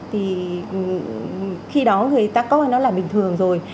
thì khi đó người ta coi nó là bình thường rồi